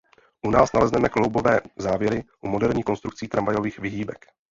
U nás nalezneme kloubové závěry u moderních konstrukcí tramvajových výhybek.